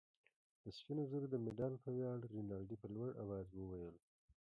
د سپینو زرو د مډال په ویاړ. رینالډي په لوړ آواز وویل.